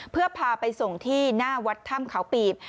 เพื่อพาไปส่งที่หน้าวัดถ้ำเขาปีบ